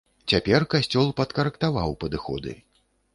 Цяпер касцёл падкарэктаваў падыходы.